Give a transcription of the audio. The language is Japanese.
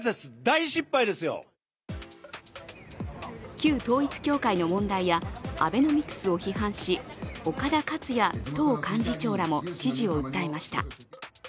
旧統一教会の問題やアベノミクスを批判し、岡田克也党幹事長らも支持を訴えました。